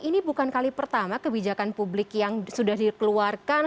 ini bukan kali pertama kebijakan publik yang sudah dikeluarkan